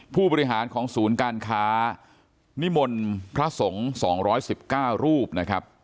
ผู้บริหารของศูนย์การค้านิมนต์พระสงฆ์๒๑๙รูปนะครับ